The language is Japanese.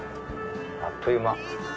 あっという間。